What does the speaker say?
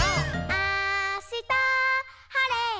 「あしたはれたら」